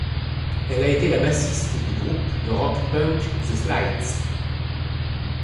Elle a été la bassiste du groupe de rock punk The Slits.